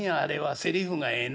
セリフがええな。